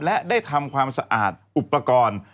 และได้ทำความสะอาดอุปกรณ์